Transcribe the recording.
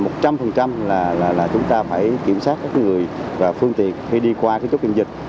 chúng tôi đảm bảo là một trăm linh chúng ta phải kiểm soát các người và phương tiện khi đi qua chốt kiểm dịch